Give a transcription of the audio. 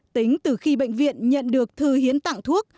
tính từ khi bệnh viện nhận được thư hiến tặng thuốc